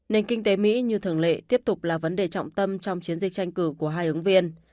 nền kinh tế mỹ như thường lệ tiếp tục là vấn đề trọng tâm trong chiến dịch tranh cử của hai ứng viên